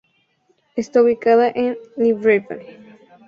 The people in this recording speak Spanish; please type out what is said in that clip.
Está ubicada en Libreville.